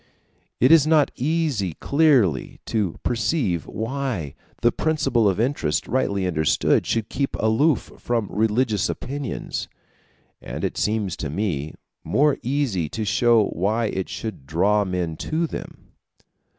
It is not easy clearly to perceive why the principle of interest rightly understood should keep aloof from religious opinions; and it seems to me more easy to show why it should draw men to them.